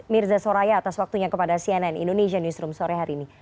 mirza soraya atas waktunya kepada cnn indonesia newsroom sore hari ini